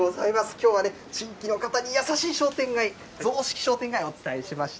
きょうは地域の方に優しい商店街、雑色商店街をお伝えしました。